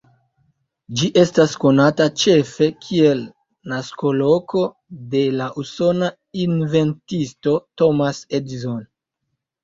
Ĝi estas konata ĉefe kiel naskoloko de la usona inventisto Thomas Edison.